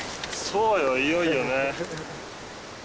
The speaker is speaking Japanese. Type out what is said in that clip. そうよいよいよね。